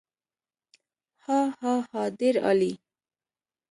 هاهاها ډېر عالي.